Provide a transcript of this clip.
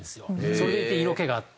それでいて色気があって。